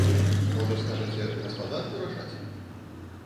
Можа, скажаце, гаспадарку рашаць?